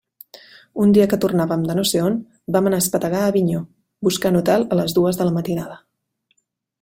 Un dia que tornàvem de no sé on, vam anar a espetegar a Avinyó buscant hotel a les dues de la matinada.